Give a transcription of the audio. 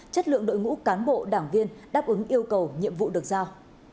chất lượng đội ngũ cán bộ đảng viên đáp ứng yêu cầu nhiệm vụ được giao